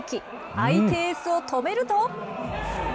相手エースを止めると。